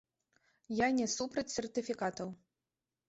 Я не супраць сертыфікатаў.